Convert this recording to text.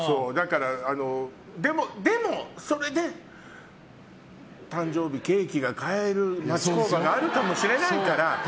でも、それで誕生日ケーキが買える町工場があるかもしれないから。